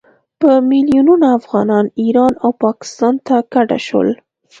په میلونونو افغانان ایران او پاکستان ته کډه شول.